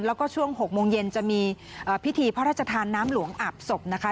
แล้วก็ช่วง๖โมงเย็นจะมีพิธีพระราชทานน้ำหลวงอาบศพนะคะ